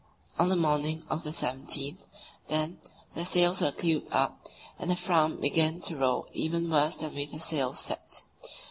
On the morning of the 17th, then, the sails were clewed up, and the Fram began to roll even worse than with the sails set.